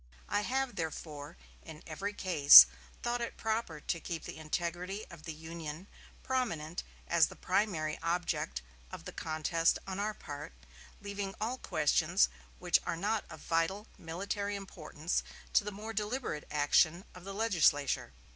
I have, therefore, in every case, thought it proper to keep the integrity of the Union prominent as the primary object of the contest on our part, leaving all questions which are not of vital military importance to the more deliberate action of the legislature....